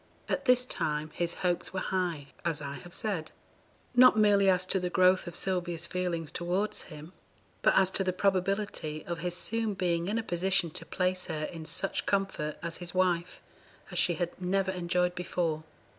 At this time his hopes were high, as I have said, not merely as to the growth of Sylvia's feelings towards him, but as to the probability of his soon being in a position to place her in such comfort, as his wife, as she had never enjoyed before.